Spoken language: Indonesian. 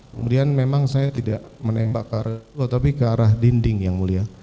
kemudian memang saya tidak menembak ke arah dulu tapi ke arah dinding yang mulia